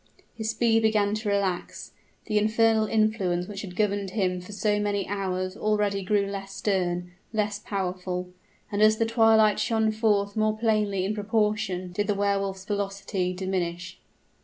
His speed began to relax; the infernal influence which had governed him for so many hours already grew less stern, less powerful, and as the twilight shone forth more plainly in proportion did the Wehr Wolf's velocity diminish.